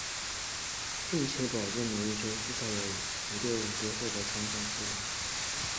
并且保证每一洲至少有一队伍都获得参加资格。